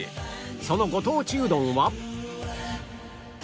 そのご当地うどんは